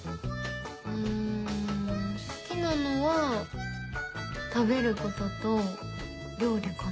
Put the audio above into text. うん好きなのは食べることと料理かな。